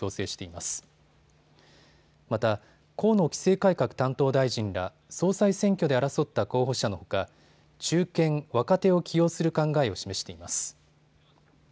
また、河野規制改革担当大臣ら総裁選挙で争った候補者のほか中堅・若手を起用する考えを示しています。